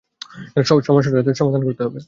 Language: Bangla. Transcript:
সমস্যাটার তো সমাধান করতে হবে।